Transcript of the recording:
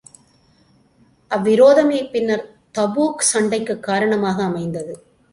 அவ்விரோதமே பின்னர் தபூக் சண்டைக்குக் காரணமாக அமைந்தது.